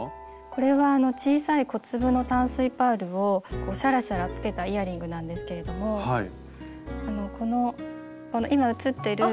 これは小さい小粒の淡水パールをシャラシャラつけたイヤリングなんですけれどもこの今映ってる。